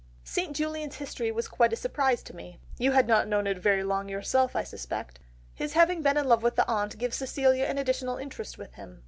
"St. Julian's history was quite a surprise to me. You had not very long known it yourself I suspect. His having been in love with the aunt gives Cecilia an additional interest with him.